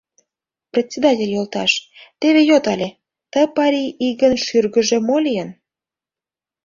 — Председатель йолташ, теве йод але, ты парий игын шӱргыжӧ мо лийын?